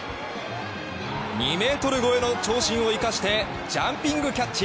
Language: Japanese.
２ｍ超えの身長を生かしてジャンピングキャッチ！